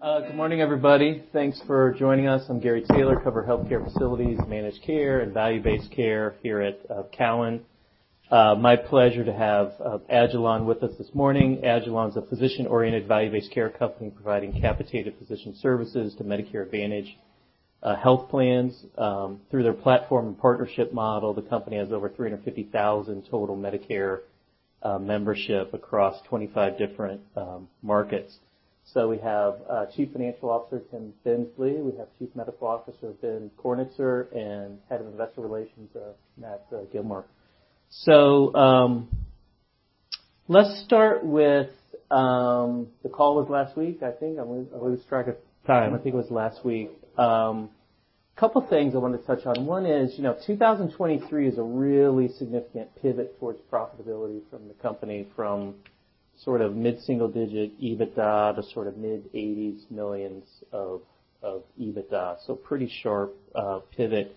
Good morning, everybody. Thanks for joining us. I'm Gary Taylor, cover healthcare facilities, managed care, and value-based care here at Cowen. My pleasure to have agilon with us this morning. Agilon is a physician-oriented, value-based care company providing capitated physician services to Medicare Advantage Health Plans. Through their platform and partnership model, the company has over 350,000 total Medicare membership across 25 different markets. We have Chief Financial Officer, Tim Bensley. We have Chief Medical Officer, Ben Kornitzer, and Head of Investor Relations, Matt Gillmor. Let's start with the call was last week, I think. I lose track of time. I think it was last week. Couple things I wanted to touch on. One is, you know, 2023 is a really significant pivot towards profitability from the company from sort of mid-single digit EBITDA to sort of mid-80s millions of EBITDA, so pretty sharp pivot.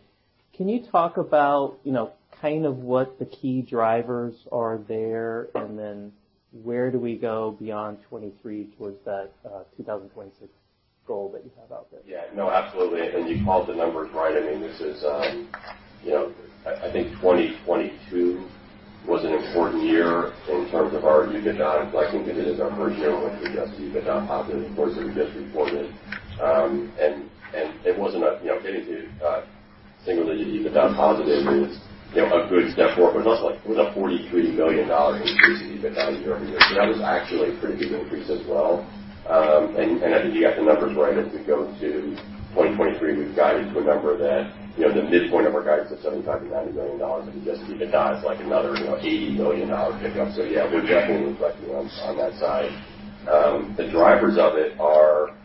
Can you talk about, you know, kind of what the key drivers are there, and then where do we go beyond 2023 towards that 2026 goal that you have out there? Yeah. No, absolutely. You called the numbers right. I mean, this is, you know, I think 2022 was an important year in terms of our EBITDA inflection because it is our first year with Adjusted EBITDA positive, of course, that we just reported. it wasn't, you know, getting to single-digit EBITDA positive is, you know, a good step forward for us. Like, it was a $43 million increase in EBITDA year-over-year. That was actually a pretty big increase as well. I think you got the numbers right. As we go into 2023, we've guided to a number that, you know, the midpoint of our guidance of $75 million-$90 million of Adjusted EBITDA is like another, you know, $80 million pickup. Yeah, we're definitely inflectional on that side. The drivers of it are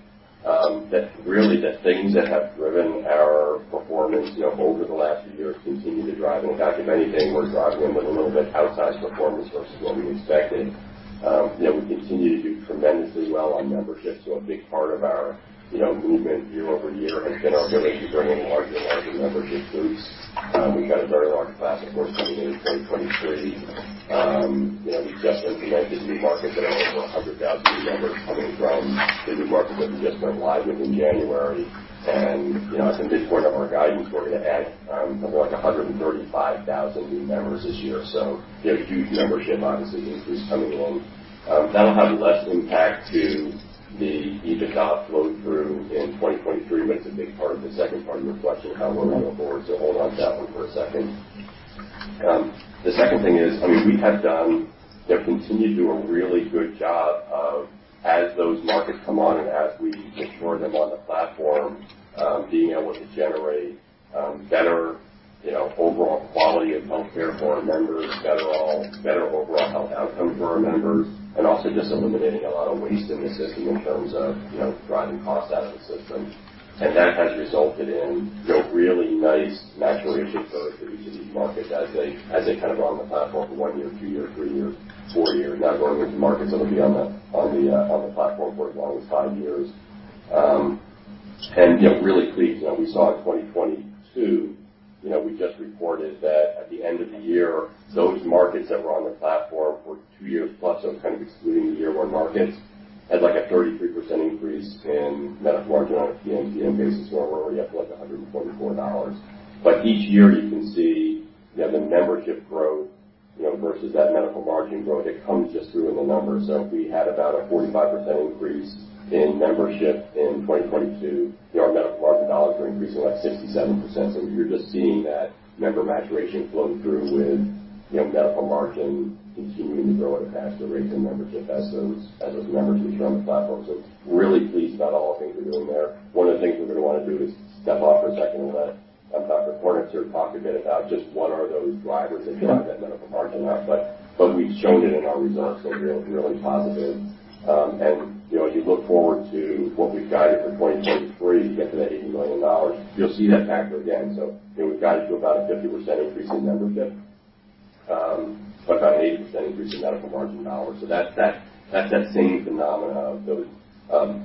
that really the things that have driven our performance over the last year continue to drive. In fact, if anything, we're driving with a little bit outsized performance versus what we expected. We continue to do tremendously well on membership. A big part of our movement year-over-year has been our ability to bring in larger and larger membership groups. We've got a very large class, of course, coming in in 2023. We just implemented new markets that are over 100,000 new members coming from the new market that we just went live with in January. At the midpoint of our guidance, we're gonna add 135,000 new members this year. We have huge membership, obviously, increase coming along. That'll have less impact to the EBITDA flow through in 2023, but it's a big part of the second part of inflection how we're going to go forward. Hold on to that one for a second. The second thing is, I mean, we have done and continue to do a really good job of, as those markets come on and as we mature them on the platform, being able to generate, better, you know, overall quality of health care for our members, better overall health outcomes for our members, and also just eliminating a lot of waste in the system in terms of, you know, driving costs out of the system. That has resulted in, you know, really nice maturation curves for these markets as they kind of run the platform for one year, two years, three years, four years. Now going into markets that'll be on the platform for as long as five years. Really pleased. You know, we saw in 2022, you know, we just reported that at the end of the year, those markets that were on the platform for 2 years+, so kind of excluding the year-one markets, had like a 33% increase Medical Margin on a PMPM basis, where we're already up to like $144. Each year you can see, you know, the membership growth, you know, versus Medical Margin growth, it comes just through in the numbers. If we had about a 45% increase in membership in 2022, you know, Medical Margin dollars were increasing like 67%. You're just seeing that member maturation flow through with, you Medical Margin continuing to grow at a faster rate than membership as those members mature on the platform. Really pleased about all the things we're doing there. One of the things we're gonna wanna do is step off for a second and let Dr. Kornitzer talk a bit about just what are those drivers that drive Medical Margin up. We've shown it in our results so really positive. And you know, as you look forward to what we've guided for 2023 to get to that $80 million, you'll see that factor again. you know, we've guided to about a 50% increase in membership, but about an 80% increase Medical Margin dollars. that's that same phenomena of those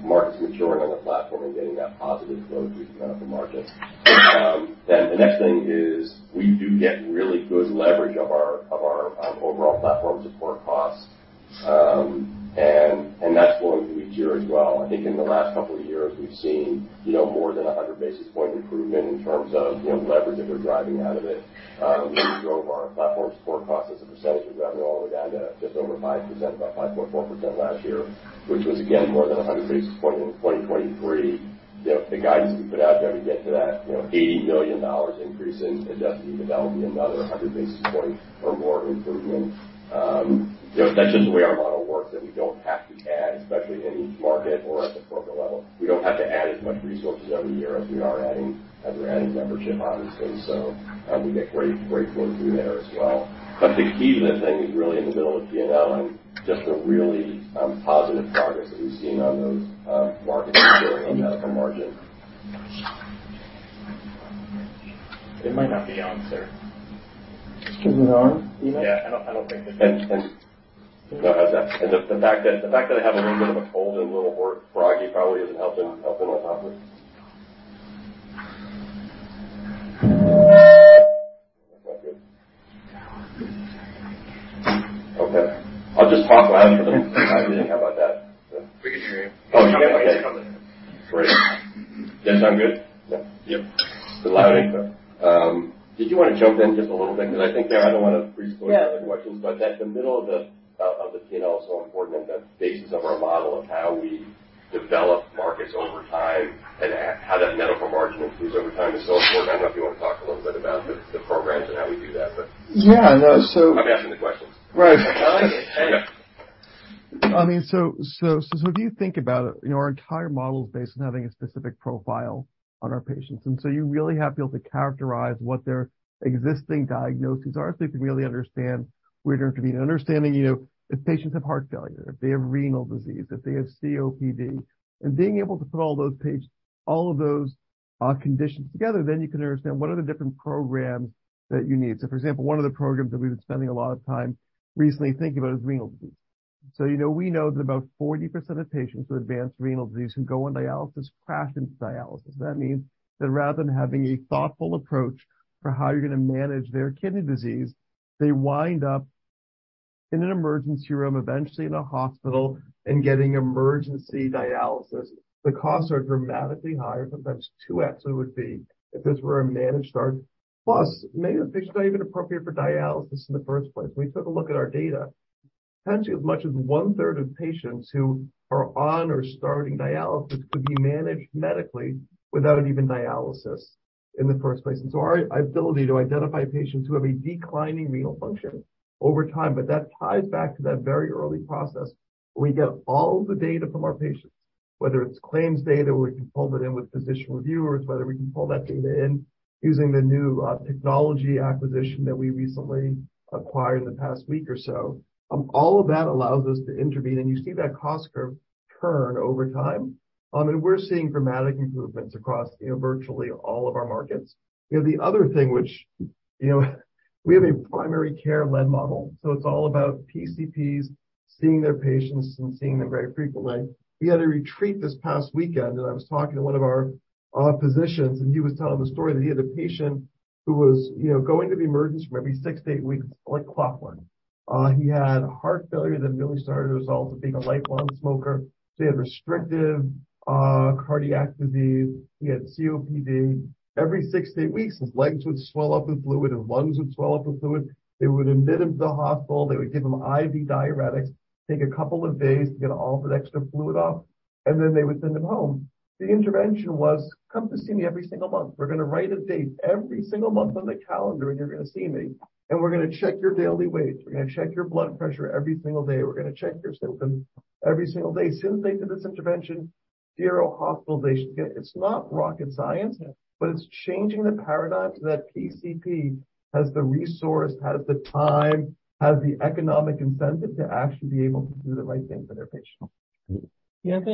markets maturing on the platform and getting that positive flow through Medical Margins. the next thing is we do get really good leverage of our, of our overall platform support costs. And that's flowing through each year as well. I think in the last couple of years we've seen, you know, more than a 100 basis point improvement in terms of, you know, leverage that we're driving out of it. We drove our platform support costs as a percentage of revenue all the way down to just over 5%, about 5.4% last year, which was again more than a 100 basis point. In 2023, you know, the guidance that we put out there, we get to that, you know, $80 million increase in Adjusted EBITDA will be another 100 basis point or more improvement. You know, that's just the way our model works, that we don't have to add, especially in each market or at the corporate level. We don't have to add as much resources every year as we're adding membership, obviously. We get great flow through there as well. The key to that thing is really in the middle of P&L and just the really positive progress that we've seen on those markets we're seeing on Medical Margin. It might not be on, sir. Is it on, do you know? I don't think that. No, how's that? The fact that I have a little bit of a cold and little hoarse, froggy probably isn't helping with that. Okay. I'll just talk loud for the time being. How about that? We can hear you. Oh, you can? Great. Does that sound good? Yep. It's a little loud, I think so. Did you wanna jump in just a little bit? 'Cause I think I don't wanna pre-empt other questions, but that the middle of the P&L is so important and the basis of our model of how we develop markets over time and how Medical Margin improves over time is so important. I don't know if you wanna talk a little bit about the programs and how we do that, but. Yeah, no. I'm asking the questions. Right. I mean, if you think about it, our entire model is based on having a specific profile on our patients. You really have to be able to characterize what their existing diagnoses are, so you can really understand where to intervene. Understanding, you know, if patients have heart failure, if they have renal disease, if they have COPD. Being able to put all of those conditions together, then you can understand what are the different programs that you need. For example, one of the programs that we've been spending a lot of time recently thinking about is renal. You know, we know that about 40% of patients with advanced renal disease who go on dialysis crash into dialysis. That means that rather than having a thoughtful approach for how you're gonna manage their kidney disease, they wind up in an emergency room, eventually in a hospital and getting emergency dialysis. The costs are dramatically higher, sometimes 2x it would be if this were a managed start. Maybe the patient's not even appropriate for dialysis in the first place. We took a look at our data, potentially as much as 1/3 of patients who are on or starting dialysis could be managed medically without even dialysis in the first place. Our ability to identify patients who have a declining renal function over time, but that ties back to that very early process where we get all the data from our patients, whether it's claims data, we can pull that in with physician reviewers, whether we can pull that data in using the new technology acquisition that we recently acquired in the past week or so. All of that allows us to intervene, and you see that cost curve turn over time. We're seeing dramatic improvements across, you know, virtually all of our markets. You know, the other thing which, you know, we have a primary care-led model, so it's all about PCPs seeing their patients and seeing them very frequently. We had a retreat this past weekend, and I was talking to one of our physicians, and he was telling the story that he had a patient who was, you know, going to the emergency room every six to eight weeks like clockwork. He had heart failure that really started as a result of being a lifelong smoker. He had restrictive cardiac disease. He had COPD. Every six to eight weeks, his legs would swell up with fluid, his lungs would swell up with fluid. They would admit him to the hospital. They would give him IV diuretics, take a couple of days to get all that extra fluid off, and then they would send him home. The intervention was, "Come to see me every single month. We're gonna write a date every single month on the calendar, and you're gonna see me, and we're gonna check your daily weight. We're gonna check your blood pressure every single day. We're gonna check your symptoms every single day." As soon as they did this intervention, zero hospitalizations. It's not rocket science, but it's changing the paradigm so that PCP has the resource, has the time, has the economic incentive to actually be able to do the right thing for their patient. Do you have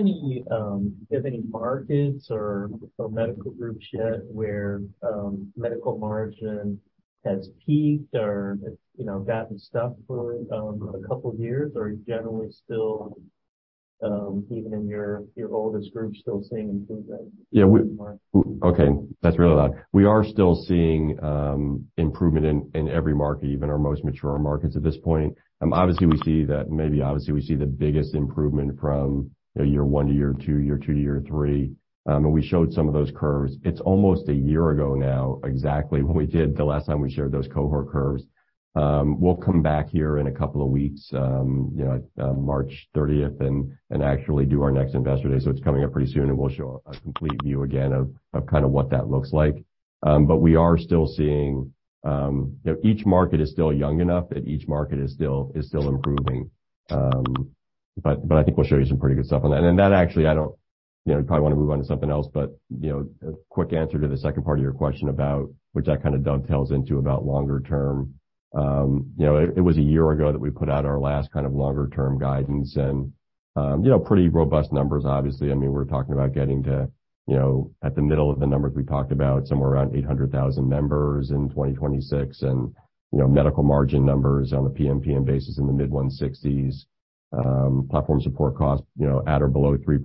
any markets or medical groups yet where Medical Margin has peaked or, you know, gotten stuck for a couple of years? Are you generally still, even in your oldest groups, still seeing improvement? Yeah, Okay, that's really loud. We are still seeing improvement in every market, even our most mature markets at this point. Obviously we see that, maybe obviously we see the biggest improvement from year one to year two, year two to year three. And we showed some of those curves. It's almost a year ago now, exactly, when we did the last time we shared those cohort curves. We'll come back here in a couple of weeks, you know, March 30th and actually do our next Investor Day. It's coming up pretty soon, and we'll show a complete view again of kind of what that looks like. We are still seeing, you know, each market is still young enough that each market is still improving. I think we'll show you some pretty good stuff on that. That actually, I don't, you know, you probably want to move on to something else, but, you know, a quick answer to the second part of your question about which that kind of dovetails into about longer term. You know, it was a year ago that we put out our last kind of longer term guidance and, you know, pretty robust numbers, obviously. I mean, we're talking about getting to, you know, at the middle of the numbers, we talked about somewhere around 800,000 members in 2026 and, you Medical Margin numbers on a PMPM basis in the mid $160s. Platform support costs, you know, at or below 3%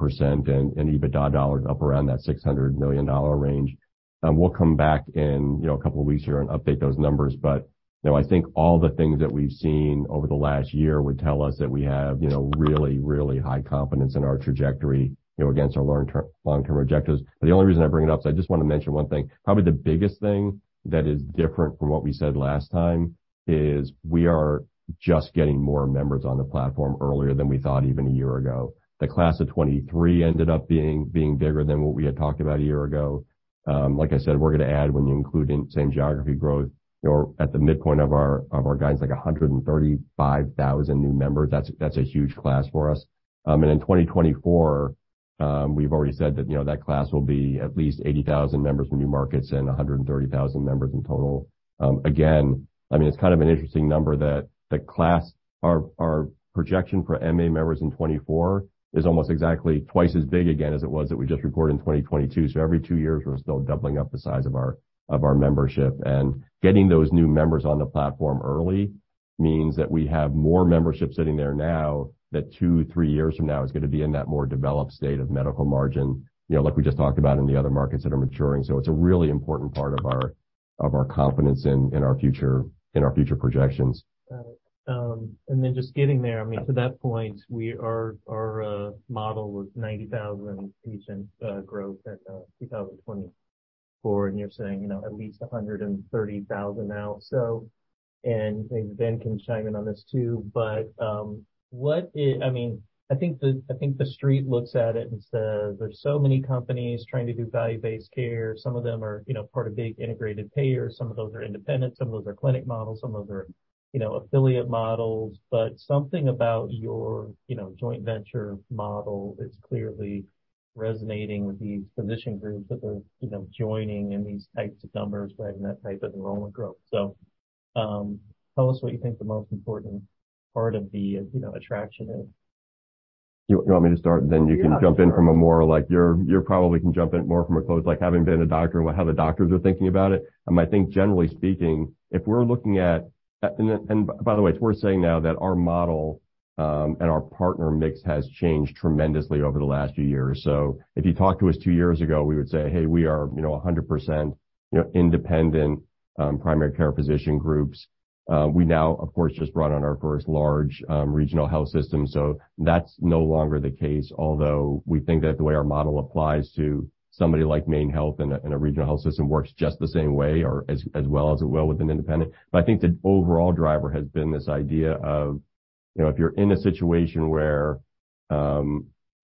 and EBITDA dollars up around that $600 million range. We'll come back in, you know, a couple of weeks here and update those numbers. You know, I think all the things that we've seen over the last year would tell us that we have, you know, really, really high confidence in our trajectory, you know, against our long-term objectives. The only reason I bring it up is I just want to mention one thing. Probably the biggest thing that is different from what we said last time is we are just getting more members on the platform earlier than we thought even a year ago. The class of 2023 ended up being bigger than what we had talked about a year ago. Like I said, we're gonna add when you include in same geography growth or at the midpoint of our guidance, like 135,000 new members. That's a huge class for us. In 2024, we've already said that, you know, that class will be at least 80,000 members from new markets and 130,000 members in total. Again, I mean, it's kind of an interesting number that our projection for MA members in 2024 is almost exactly twice as big again as it was that we just reported in 2022. Every two years, we're still doubling up the size of our membership. Getting those new members on the platform early means that we have more membership sitting there now that tow, three years from now is gonna be in that more developed state Medical Margin, you know, like we just talked about in the other markets that are maturing. It's a really important part of our confidence in our future, in our future projections. Got it. Just getting there, to that point, our model was 90,000 patient growth at 2024, and you're saying, you know, at least 130,000 now. Maybe Ben can chime in on this too. What is, I think the street looks at it and says there's so many companies trying to do value-based care. Some of them are, you know, part of big integrated payers, some of those are independent, some of those are clinic models, some of those are, you know, affiliate models. Something about your, you know, joint venture model is clearly resonating with these physician groups that are, you know, joining in these types of numbers, driving that type of enrollment growth. Tell us what you think the most important part of the, you know, attraction is? You want me to start? You can jump in from a more like. You probably can jump in more from a close, like having been a doctor, how the doctors are thinking about it. I think generally speaking, if we're looking at. By the way, it's worth saying now that our model, and our partner mix has changed tremendously over the last few years. If you talked to us two years ago, we would say, "Hey, we are, you know, 100%, you know, independent, primary care physician groups." We now, of course, just brought on our first large, regional health system, so that's no longer the case. We think that the way our model applies to somebody like MaineHealth and a regional health system works just the same way or as well as it will with an independent. I think the overall driver has been this idea of, you know, if you're in a situation where,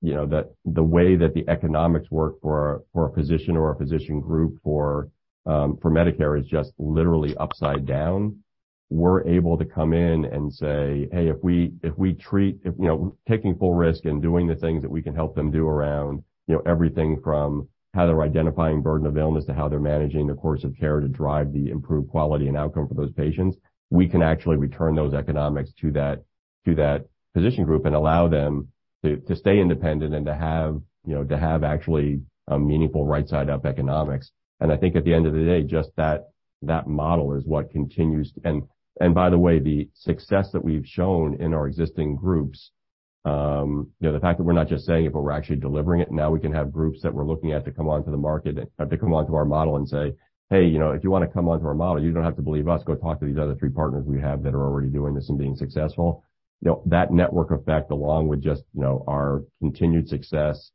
you know, that the way that the economics work for a physician or a physician group for Medicare is just literally upside down, we're able to come in and say, you know, taking full risk and doing the things that we can help them do around, you know, everything from how they're identifying burden of illness to how they're managing the course of care to drive the improved quality and outcome for those patients, we can actually return those economics to that physician group and allow them to stay independent and to have, you know, to have actually a meaningful right side up economics. I think at the end of the day, just that model is what continues to, by the way, the success that we've shown in our existing groups, you know, the fact that we're not just saying it, but we're actually delivering it, now we can have groups that we're looking at to come onto our model and say, "Hey, you know, if you wanna come onto our model, you don't have to believe us. Go talk to these other three partners we have that are already doing this and being successful." You know, that network effect, along with just, you know, our continued success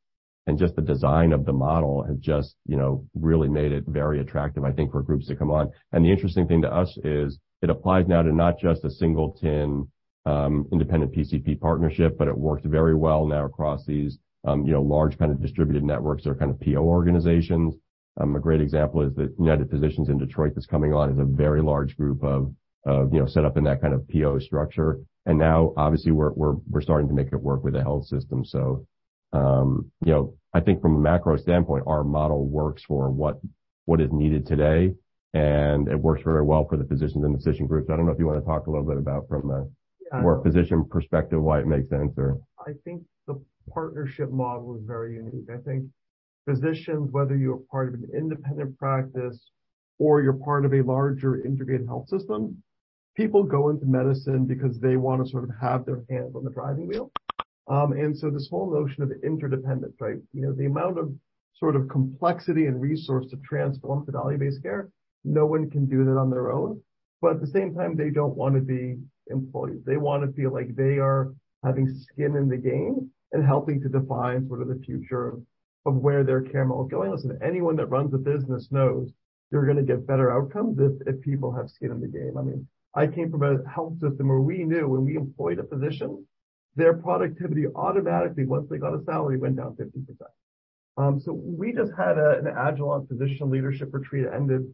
and just the design of the model has just, you know, really made it very attractive, I think, for groups to come on. The interesting thing to us is it applies now to not just a singleton, independent PCP partnership, but it works very well now across these, you know, large kind of distributed networks or kind of PO organizations. A great example is the United Physicians in Detroit that's coming on is a very large group of, you know, set up in that kind of PO structure. Now obviously we're starting to make it work with the health system. You know, I think from a macro standpoint, our model works for what is needed today, and it works very well for the physicians and physician groups. I don't know if you wanna talk a little bit about from more physician perspective why it makes sense or. Yeah. I think the partnership model is very unique. I think physicians, whether you're part of an independent practice or you're part of a larger integrated health system, people go into medicine because they wanna sort of have their hands on the driving wheel. This whole notion of interdependence, right? You know, the amount of sort of complexity and resource to transform to value-based care, no one can do that on their own. At the same time, they don't wanna be employees. They wanna feel like they are having skin in the game and helping to define sort of the future of where their care model is going. Anyone that runs a business knows you're gonna get better outcomes if people have skin in the game. I mean, I came from a health system where we knew when we employed a physician, their productivity automatically, once they got a salary, went down 50%. So we just had an agilon physician leadership retreat, it ended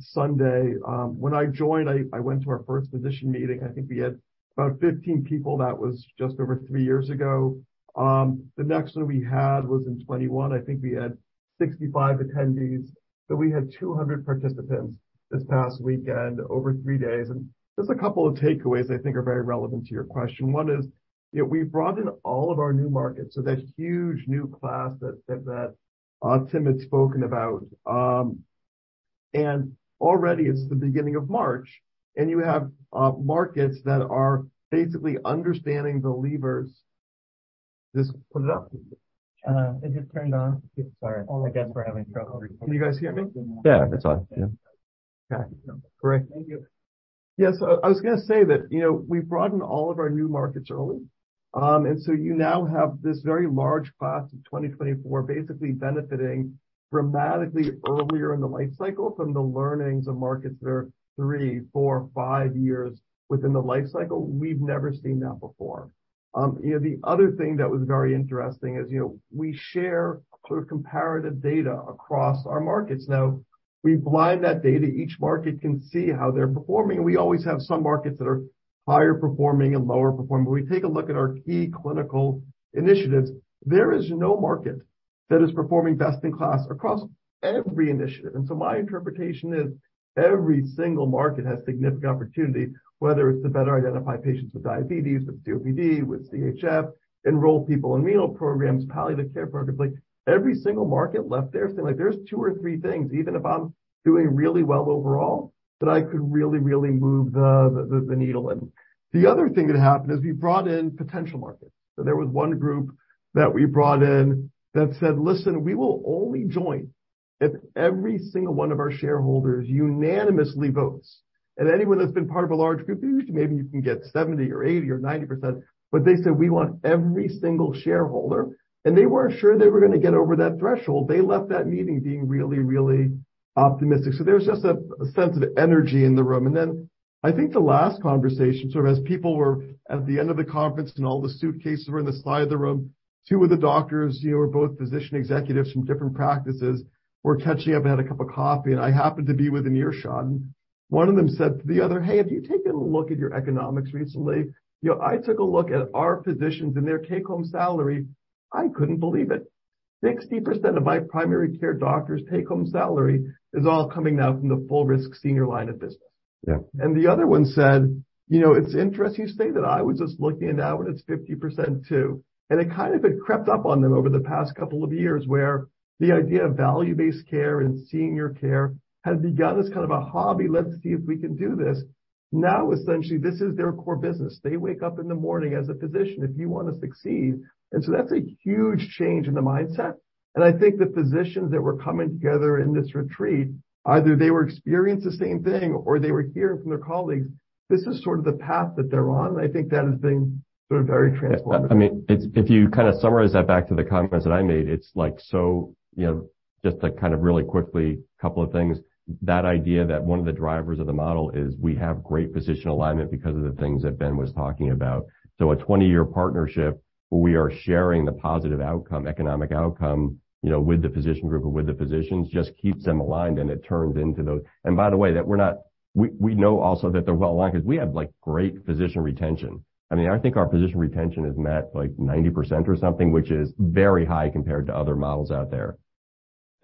Sunday. When I joined, I went to our first physician meeting. I think we had about 15 people. That was just over three years ago. The next one we had was in 2021. I think we had 65 attendees, but we had 200 participants this past weekend over three days. Just a couple of takeaways I think are very relevant to your question. One is, you know, we've brought in all of our new markets, so that huge new class that Tim had spoken about. Already it's the beginning of March, and you have markets that are basically understanding the levers. Just put it up. Is it turned on? Sorry. I guess we're having trouble. Can you guys hear me? Yeah. It's on. Yeah. Okay. Great. Thank you. Yeah. I was gonna say that, you know, we've broadened all of our new markets early. You now have this very large class of 2024 basically benefiting dramatically earlier in the life cycle from the learnings of markets that are three, four, five years within the life cycle. We've never seen that before. You know, the other thing that was very interesting is, you know, we share sort of comparative data across our markets. Now, we blind that data. Each market can see how they're performing. We always have some markets that are higher performing and lower performing. When we take a look at our key clinical initiatives, there is no market that is performing best in class across every initiative. My interpretation is every single market has significant opportunity, whether it's to better identify patients with diabetes, with COPD, with CHF, enroll people in renal programs, palliative care programs. Like, every single market left there saying, like, "There's two or three things, even if I'm doing really well overall, that I could really move the needle in." The other thing that happened is we brought in potential markets. There was one group that we brought in that said, "Listen, we will only join if every single one of our shareholders unanimously votes, and anyone that's been part of a large group, maybe you can get 70% or 80% or 90%, but they said, "We want every single shareholder." They weren't sure they were gonna get over that threshold. They left that meeting being really optimistic. There was just a sense of energy in the room. I think the last conversation, sort of as people were at the end of the conference and all the suitcases were in the side of the room, two of the doctors, you know, were both physician executives from different practices, were catching up and had a cup of coffee, and I happened to be within earshot. One of them said to the other, "Hey, have you taken a look at your economics recently? You know, I took a look at our physicians and their take-home salary. I couldn't believe it. 60% of my primary care doctors' take-home salary is all coming now from the full risk senior line of business. Yeah. The other one said, "You know, it's interesting you say that. I was just looking at that, but it's 50% too." It kind of had crept up on them over the past couple of years, where the idea of value-based care and senior care had begun as kind of a hobby. Let's see if we can do this. Now, essentially, this is their core business. They wake up in the morning as a physician, if you wanna succeed. That's a huge change in the mindset. I think the physicians that were coming together in this retreat, either they were experienced the same thing or they were hearing from their colleagues, this is sort of the path that they're on, and I think that has been sort of very transformative. I mean, it's if you kinda summarize that back to the comments that I made, it's like so you know, just to kind of really quickly couple of things, that idea that one of the drivers of the model is we have great physician alignment because of the things that Ben was talking about. A 20-year partnership where we are sharing the positive outcome, economic outcome, you know, with the physician group or with the physicians just keeps them aligned, and it turns into the. By the way, we know also that they're well aligned cause we have, like, great physician retention. I mean, I think our physician retention is at, like, 90% or something, which is very high compared to other models out there.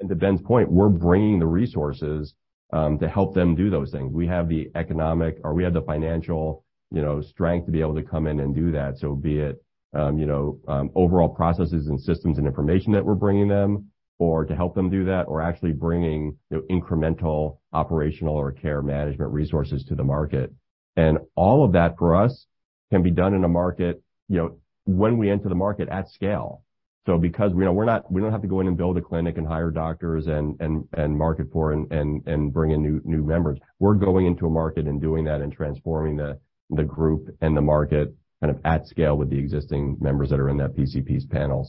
To Ben's point, we're bringing the resources to help them do those things. We have the economic or we have the financial, you know, strength to be able to come in and do that. Be it, you know, overall processes and systems and information that we're bringing them or to help them do that or actually bringing the incremental operational or care management resources to the market. All of that for us can be done in a market, you know, when we enter the market at scale. Because we know we don't have to go in and build a clinic and hire doctors and market for and bring in new members. We're going into a market and doing that and transforming the group and the market kind of at scale with the existing members that are in that PCPs panel.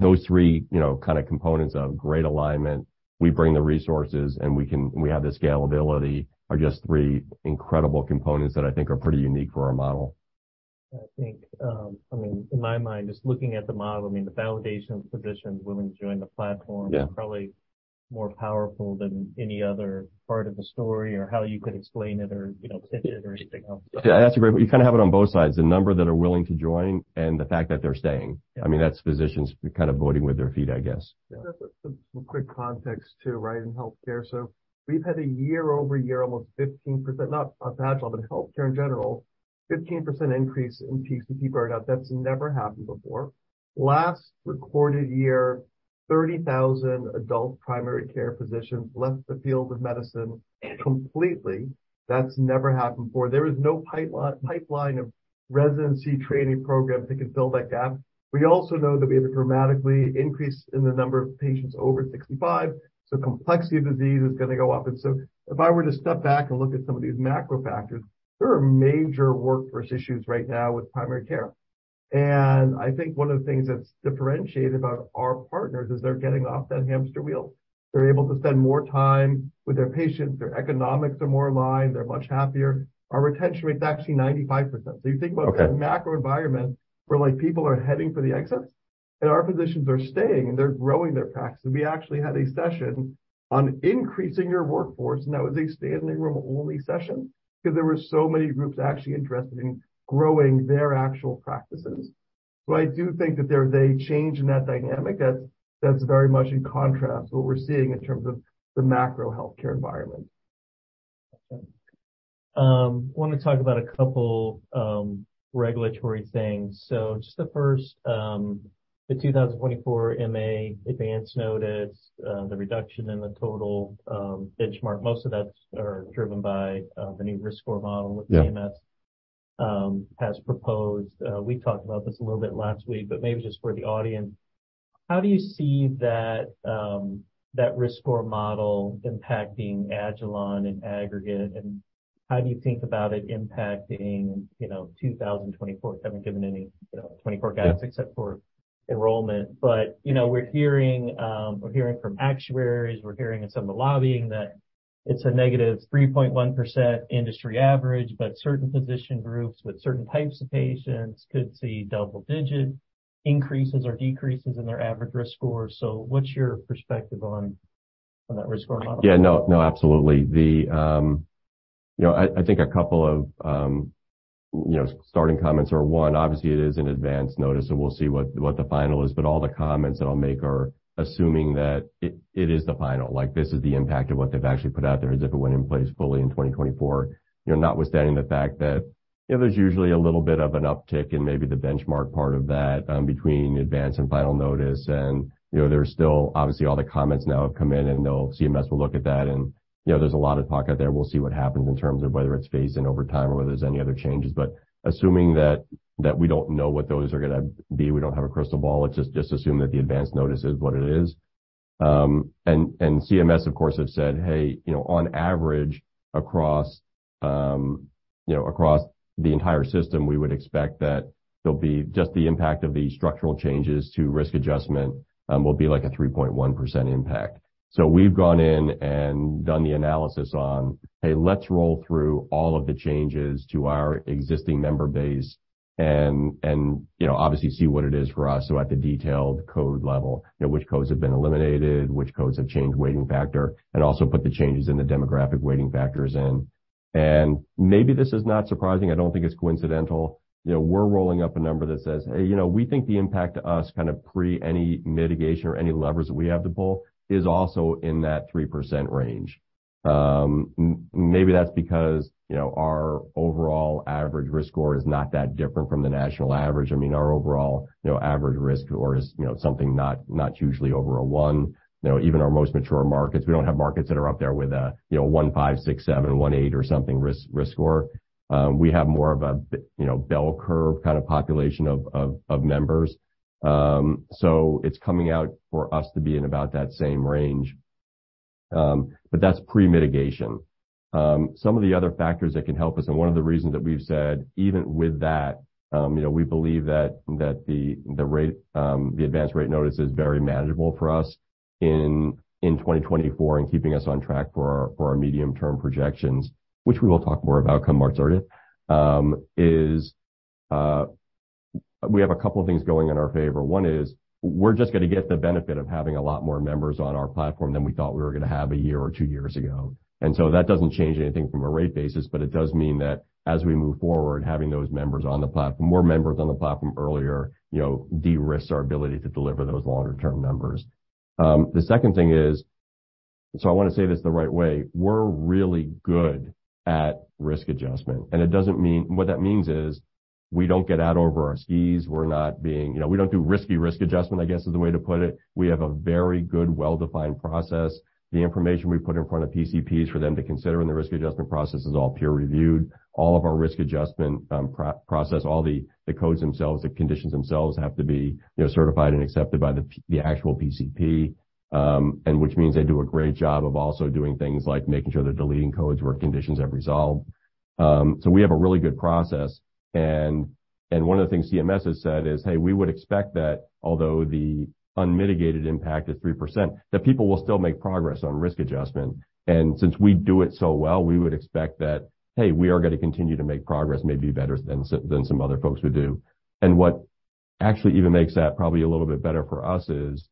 Those three, you know, kind of components of great alignment, we bring the resources, and we have the scalability, are just three incredible components that I think are pretty unique for our model. I think, I mean, in my mind, just looking at the model, I mean, the validation of physicians willing to join the platform. Yeah. Is probably more powerful than any other part of the story or how you could explain it or, you know, pitch it or anything else. Yeah, you kinda have it on both sides, the number that are willing to join and the fact that they're staying. Yeah. I mean, that's physicians kind of voting with their feet, I guess. Yeah. That's a quick context too, right, in healthcare. We've had a year-over-year, almost 15%, not on agilon, but healthcare in general, 15% increase in PCP burnout. That's never happened before. Last recorded year, 30,000 adult primary care physicians left the field of medicine completely. That's never happened before. There is no pipeline of residency training programs that can fill that gap. We also know that we have a dramatically increase in the number of patients over 65, so complexity of disease is gonna go up. If I were to step back and look at some of these macro factors, there are major workforce issues right now with primary care. I think one of the things that's differentiated about our partners is they're getting off that hamster wheel. They're able to spend more time with their patients. Their economics are more aligned. They're much happier. Our retention rate's actually 95%. Okay. The macro environment where, like, people are heading for the exits, our physicians are staying, and they're growing their practice. We actually had a session on increasing your workforce, and that was a standing room only session because there were so many groups actually interested in growing their actual practices. I do think that there is a change in that dynamic that's very much in contrast to what we're seeing in terms of the macro healthcare environment. Wanna talk about a couple regulatory things. Just the first, the 2024 MA Advance Notice, the reduction in the total benchmark. Most of that's driven by the new risk score model. Yeah. That CMS has proposed. We talked about this a little bit last week, but maybe just for the audience, how do you see that risk score model impacting agilon in aggregate? How do you think about it impacting, you know, 2024? Haven't given any, you know, 2024 guides except for enrollment. Yeah. You know, we're hearing, we're hearing from actuaries, we're hearing in some of the lobbying that it's a -3.1% industry average, but certain physician groups with certain types of patients could see double-digit increases or decreases in their average risk score. What's your perspective on that risk score model? No, no, absolutely. The, you know, I think a couple of, you know, starting comments are, one, obviously it is an Advance Notice, so we'll see what the final is. But all the comments that I'll make are assuming that it is the final, like, this is the impact of what they've actually put out there as if it went in place fully in 2024. You know, notwithstanding the fact that, you know, there's usually a little bit of an uptick in maybe the benchmark part of that, between advance and final notice. You know, there's still, obviously, all the comments now have come in, CMS will look at that. You know, there's a lot of talk out there. We'll see what happens in terms of whether it's phased in over time or whether there's any other changes. Assuming that we don't know what those are gonna be, we don't have a crystal ball. Let's just assume that the Advance Notice is what it is. And CMS, of course, have said, "Hey, you know, on average, across, you know, across the entire system, we would expect that there'll be just the impact of the structural changes to risk adjustment will be like a 3.1% impact." We've gone in and done the analysis on, hey, let's roll through all of the changes to our existing member base and, you know, obviously see what it is for us. At the detailed code level, you know, which codes have been eliminated, which codes have changed weighting factor, and also put the changes in the demographic weighting factors in. Maybe this is not surprising, I don't think it's coincidental, you know, we're rolling up a number that says, "Hey, you know, we think the impact to us kind of pre any mitigation or any levers that we have to pull is also in that 3% range." Maybe that's because, you know, our overall average risk score is not that different from the national average. I mean, our overall, you know, average risk score is, you know, something not hugely over a one. You know, even our most mature markets, we don't have markets that are up there with a, you know, 1.5, 1.6, 1.7, 1.8. We have more of a, you know, bell curve kind of population of members. It's coming out for us to be in about that same range. But that's pre-mitigation. Some of the other factors that can help us, one of the reasons that we've said even with that, you know, we believe that the rate, the Advance Notice is very manageable for us in 2024 and keeping us on track for our medium-term projections, which we will talk more about come March 30th, is we have a couple of things going in our favor. One is we're just gonna get the benefit of having a lot more members on our platform than we thought we were gonna have one year or two years ago. That doesn't change anything from a rate basis, but it does mean that as we move forward, having those members on the platform, more members on the platform earlier, you know, de-risks our ability to deliver those longer-term numbers. The second thing is, so I wanna say this the right way, we're really good at risk adjustment, and what that means is we don't get out over our skis. You know, we don't do risky risk adjustment, I guess, is the way to put it. We have a very good well-defined process. The information we put in front of PCPs for them to consider in the risk adjustment process is all peer-reviewed. All of our risk adjustment process, all the codes themselves, the conditions themselves have to be, you know, certified and accepted by the actual PCP, which means they do a great job of also doing things like making sure they're deleting codes where conditions have resolved. We have a really good process and one of the things CMS has said is, "Hey, we would expect that although the unmitigated impact is 3%, that people will still make progress on risk adjustment." Since we do it so well, we would expect that, hey, we are gonna continue to make progress maybe better than some other folks would do. What actually even makes that probably a little bit better for us is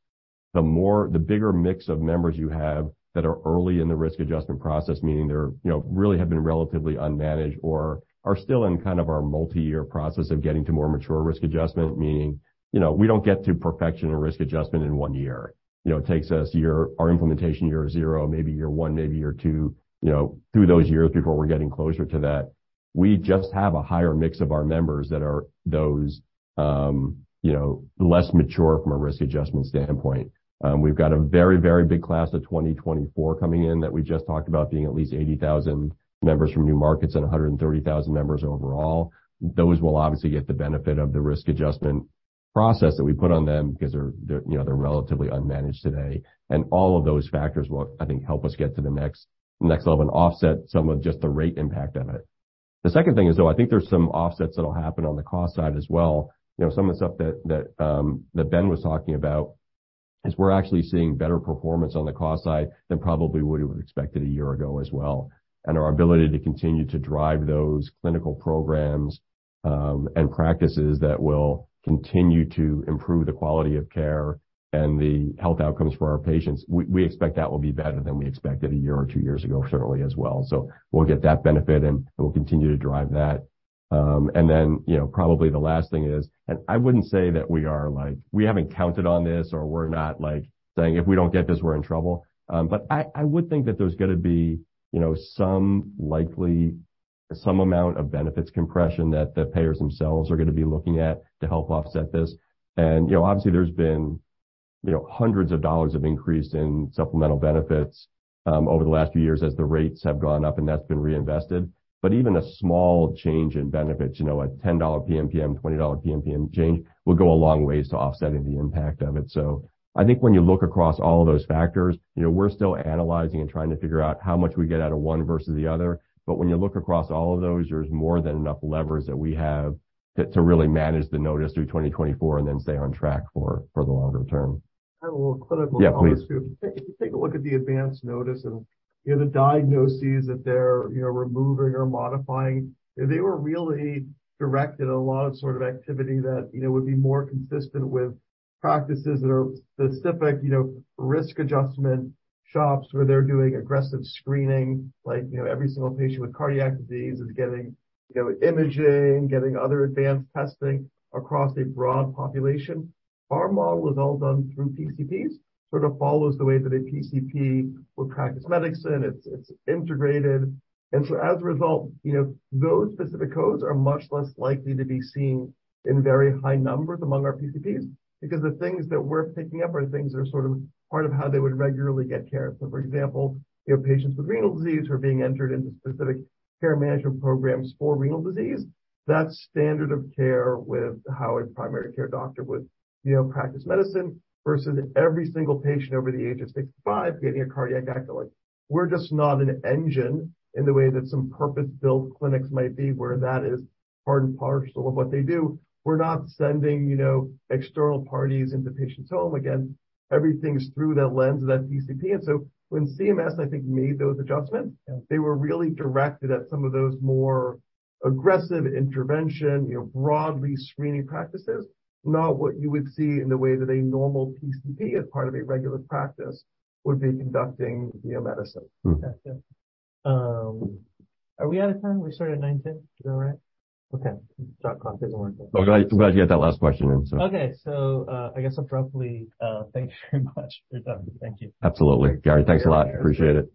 the bigger mix of members you have that are early in the risk adjustment process, meaning they're, you know, really have been relatively unmanaged or are still in kind of our multi-year process of getting to more mature risk adjustment, meaning, you know, we don't get to perfection and risk adjustment in one year. You know, it takes us our implementation year zero, maybe year one, maybe year two, you know, through those years before we're getting closer to that. We just have a higher mix of our members that are those, you know, less mature from a risk adjustment standpoint. We've got a very, very big class of 2024 coming in that we just talked about being at least 80,000 members from new markets and 130,000 members overall. Those will obviously get the benefit of the risk adjustment process that we put on them 'cause they're, you know, they're relatively unmanaged today. All of those factors will, I think, help us get to the next level and offset some of just the rate impact of it. The second thing is, though, I think there's some offsets that'll happen on the cost side as well. You know, some of the stuff that Ben was talking about is we're actually seeing better performance on the cost side than probably we would have expected a year ago as well. Our ability to continue to drive those clinical programs and practices that will continue to improve the quality of care and the health outcomes for our patients, we expect that will be better than we expected a year or two years ago, certainly as well. We'll get that benefit, and we'll continue to drive that. You know, probably the last thing is, I wouldn't say that we are like, we haven't counted on this, or we're not like saying, "If we don't get this, we're in trouble." I would think that there's gonna be, you know, some amount of benefits compression that the payers themselves are gonna be looking at to help offset this. You know, obviously there's been, you know, hundreds of dollars of increase in supplemental benefits over the last few years as the rates have gone up, and that's been reinvested. Even a small change in benefits, you know, a $10 PMPM, $20 PMPM change will go a long ways to offsetting the impact of it. I think when you look across all of those factors, you know, we're still analyzing and trying to figure out how much we get out of one versus the other. When you look across all of those, there's more than enough levers that we have to really manage the notice through 2024 and then stay on track for the longer term. I have a little clinical observation. Yeah, please. If you take a look at the Advance Notice and, you know, the diagnoses that they're, you know, removing or modifying, they were really directed at a lot of sort of activity that, you know, would be more consistent with practices that are specific, you know, risk adjustment shops where they're doing aggressive screening. Like, you know, every single patient with cardiac disease is getting, you know, imaging, getting other advanced testing across a broad population. Our model is all done through PCPs, sort of follows the way that a PCP would practice medicine. It's integrated. As a result, you know, those specific codes are much less likely to be seen in very high numbers among our PCPs because the things that we're picking up are things that are sort of part of how they would regularly get care. For example, you know, patients with renal disease who are being entered into specific care management programs for renal disease, that's standard of care with how a primary care doctor would, you know, practice medicine versus every single patient over the age of 65 getting a cardiac echo. Like, we're just not an engine in the way that some purpose-built clinics might be, where that is part and parcel of what they do. We're not sending, you know, external parties into patients' home. Again, everything's through the lens of that PCP. When CMS, I think, made those adjustments, they were really directed at some of those more aggressive intervention, you know, broadly screening practices, not what you would see in the way that a normal PCP as part of a regular practice would be conducting, you know, medicine. Mm-hmm. Yeah. Are we out of time? We started at 9:10. Is that right? Okay. Shot clock doesn't work. I'm glad you had that last question in, so. Okay. I guess abruptly, thank you very much for your time. Thank you. Absolutely. Gary, thanks a lot. Appreciate it.